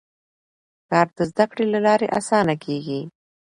کار د زده کړې له لارې اسانه کېږي